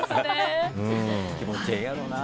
気持ちええやろな。